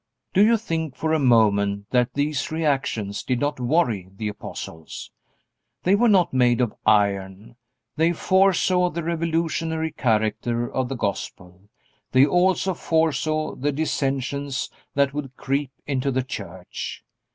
Do you think for a moment that these reactions did not worry the apostles? They were not made of iron. They foresaw the revolutionary character of the Gospel. They also foresaw the dissensions that would creep into the Church.